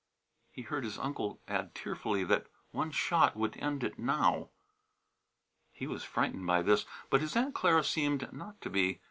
He heard his uncle add tearfully that one shot would end it now. He was frightened by this, but his Aunt Clara seemed not to be.